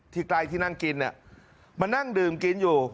ใกล้ที่นั่งกินเนี่ยมานั่งดื่มกินอยู่